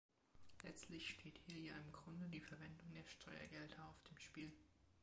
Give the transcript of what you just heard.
Letztlich steht hier ja im Grunde die Verwendung der Steuergelder auf dem Spiel.